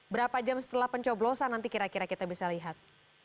berapa jam setelah pencoblosan nanti kira kira kita bisa lihat